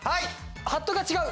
ハットが違う。